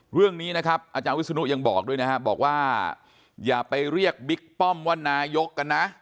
เรื่องนี้นะครับอาจารย์วิศนุยังบอกด้วยนะครับบอกว่าอย่าไปเรียกบิ๊กป้อมว่านายกกันนะ